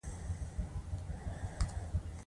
ایا زه باید د فیل مرغ غوښه وخورم؟